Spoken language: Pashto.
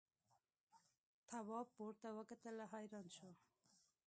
تواب پورته وکتل او حیران شو.